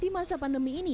di masa pandemi ini